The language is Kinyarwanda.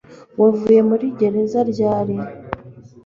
Wavuye muri gereza ryari?